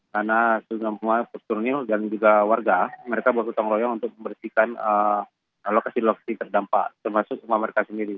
karena selama personal dan juga warga mereka berputar royong untuk membersihkan lokasi lokasi terdampak termasuk rumah mereka sendiri